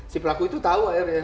si pelaku itu tahu akhirnya